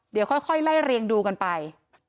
เดี๋ยวค่อยไล่เรียงดูกันไป